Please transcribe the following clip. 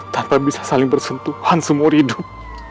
tanpa bisa saling bersentuhan seumur hidup